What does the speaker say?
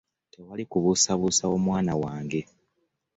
Tewali kubuusaabuusa omwana wange.